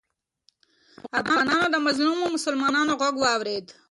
افغانانو د مظلومو مسلمانانو غږ واورېد.